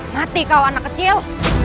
mati kau anak kecil